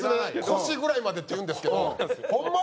「腰ぐらいまで」って言うんですけどホンマ